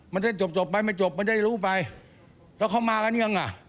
มันจะจบไปไม่จบมันจะรู้ไปเพราะเขามากันยังอะ